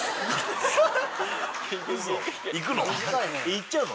いっちゃうの？